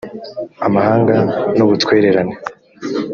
amahanga n ubutwererane